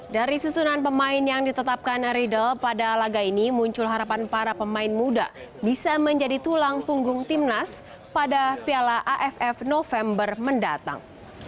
dari susunan pemain yang ditetapkan riedel pada laga ini muncul harapan para pemain muda bisa menjadi tulang punggung timnas pada piala aff november mendatang